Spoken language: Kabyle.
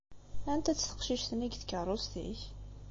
Anta-tt teqcict-nni deg tkeṛṛust-ik?